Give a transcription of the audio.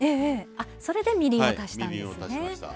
それでみりんを足したんですね。